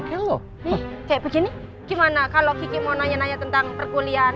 kayak begini gimana kalau mau nanya nanya tentang pergulian